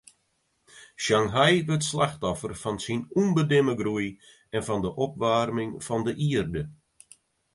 Shanghai wurdt slachtoffer fan syn ûnbedimme groei en fan de opwaarming fan de ierde.